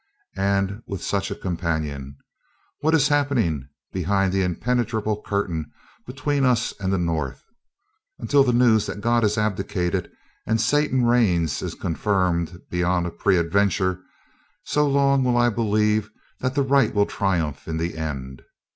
And with such a companion! What is happening behind the impenetrable curtain between us and the North? Until the news that God has abdicated and Satan reigns is confirmed beyond a peradventure, so long will I believe that the right will triumph in the end.